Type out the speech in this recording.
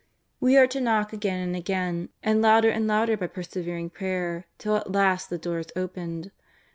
We are to knock again and again, and louder and louder by persevering prayer till at last the door is opened.